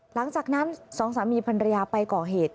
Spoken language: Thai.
หลังจากนั้นสองสามีพันรยาไปก่อเหตุ